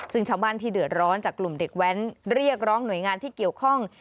ซึ่งชาวบ้านที่เดือดร้อนจากกลุ่มเด็กแว้นเรียกร้องหน่วยงานที่เกี่ยวข้อง